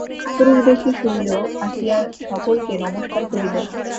পুরুষবেশী শৈল আসিয়া সকলকে নমস্কার করিল।